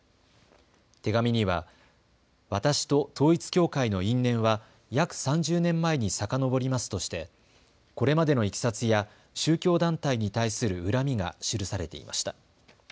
手紙には私と統一教会の因縁は約３０年前にさかのぼりますとしてこれまでのいきさつや宗教団体に対する恨みが記されていました。